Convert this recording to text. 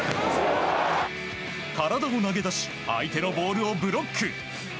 体を投げ出し相手のボールをブロック。